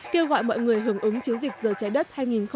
kêu gọi mọi người hưởng ứng chiến dịch rời cháy đất hai nghìn một mươi bảy